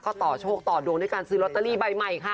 ก็ต่อโชคต่อดวงด้วยการซื้อลอตเตอรี่ใบใหม่ค่ะ